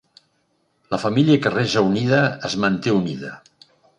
La família que resa unida, es manté unida.